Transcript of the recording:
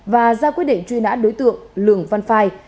và ra quyết định truy nã đối tượng lường văn phai